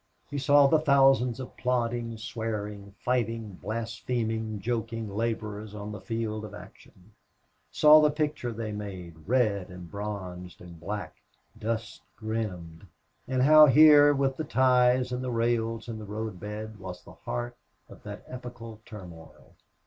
He saw the thousands of plodding, swearing, fighting, blaspheming, joking laborers on the field of action saw the picture they made, red and bronzed and black, dust begrimed; and how here with the ties and the rails and the road bed was the heart of that epical turmoil.